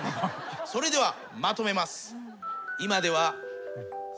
それではまとめます。